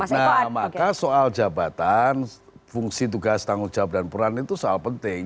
nah maka soal jabatan fungsi tugas tanggung jawab dan peran itu soal penting